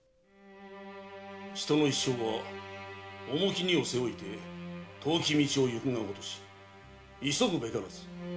「人の一生は重き荷を背負いて遠き道を行くがごとし急ぐべからず」